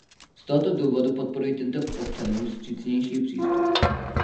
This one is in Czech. Z toho důvodu podporuji tento k občanům vstřícnější přístup.